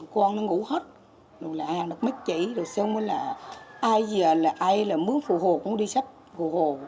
con nó ngủ hết rồi là hàng nó mất chảy rồi xong mới là ai giờ là ai là mướn phù hồ cũng đi sách phù hồ